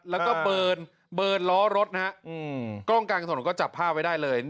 แล้วก็เบิร์นเบิร์นล้อรถนะฮะอืมกล้องการกระทบหน่อยก็จับผ้าไว้ได้เลย